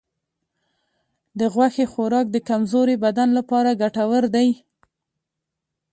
د غوښې خوراک د کمزورې بدن لپاره ګټور دی.